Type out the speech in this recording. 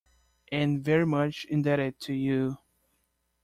And very much indebted to you.